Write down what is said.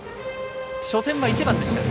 初戦は１番でした。